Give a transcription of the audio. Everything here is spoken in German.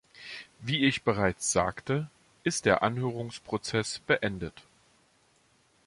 Wie ich bereits sagte, ist der Anhörungsprozess beendet.